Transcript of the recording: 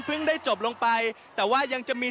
ได้จบลงไปแต่ว่ายังจะมี